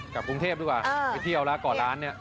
กลับกรุงเทพดีกว่าไปเที่ยวแล้วก่อร้านเนี่ย